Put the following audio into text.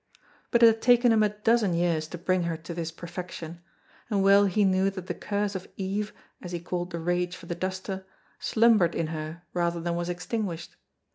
But it had taken him a dozen years to bring her to this perfection, and well he knew that the curse of Eve, as he called the rage for the duster, slumbered in her rather than was extinguished.